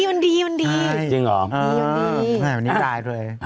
วันนี้ได้เลย